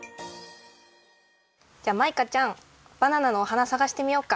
じゃあマイカちゃんバナナのお花さがしてみよっか。